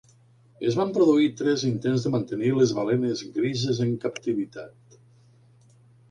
Es van produir tres intents de mantenir les balenes grises en captivitat.